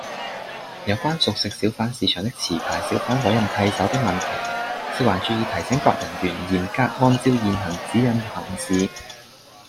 有關熟食小販市場的持牌小販委任替手的問題，食環署已提醒各人員嚴格按照現行指引行事